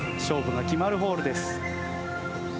勝負が決まるホールです。